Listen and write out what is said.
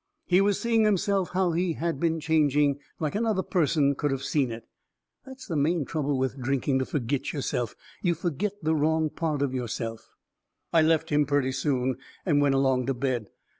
He was seeing himself how he had been changing, like another person could of seen it. That's the main trouble with drinking to fergit yourself. You fergit the wrong part of yourself. I left him purty soon, and went along to bed.